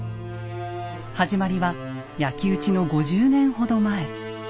始まりは焼き打ちの５０年ほど前。